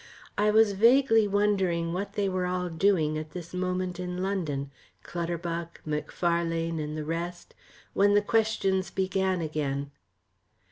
I was vaguely wondering what they were all doing at this moment in London, Clutterbuck, Macfarlane, and the rest, when the questions began again.